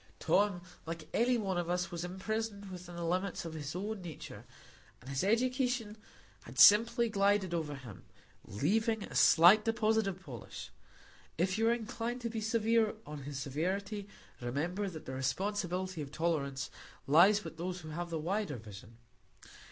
Tom, like every one of us, was imprisoned within the limits of his own nature, and his education had simply glided over him, leaving a slight deposit of polish; if you are inclined to be severe on his severity, remember that the responsibility of tolerance lies with those who have the wider vision.